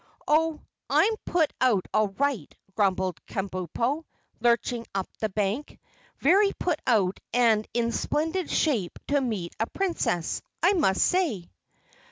"Oh, I'm put out all right," grumbled Kabumpo, lurching up the bank. "Very put out and in splendid shape to meet a Princess, I must say."